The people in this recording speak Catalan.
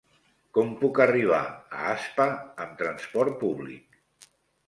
Com puc arribar a Aspa amb trasport públic?